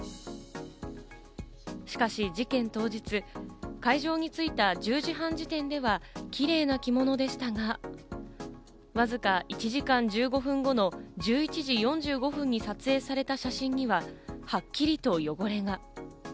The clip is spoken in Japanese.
しかし事件当日、会場に着いた１０時半時点ではキレイな着物でしたが、わずか１時間１５分後の１１時４５分に撮影された写真には、はっきりと汚れが。